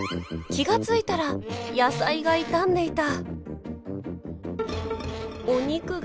気が付いたら野菜が傷んでいた。